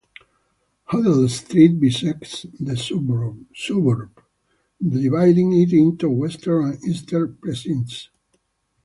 Hoddle Street bisects the suburb, dividing it into western and eastern precincts.